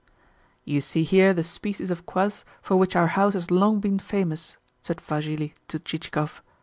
"You see here the species of kvass for which our house has long been famous," said Vassili to Chichikov.